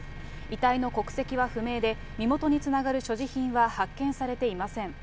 遺体の国籍は不明で、身元につながる所持品は発見されていません。